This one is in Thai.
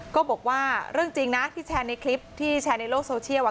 ก็บอกว่าเรื่องจริงนะที่แชร์ในคลิปที่แชร์ในโลกโซเชียล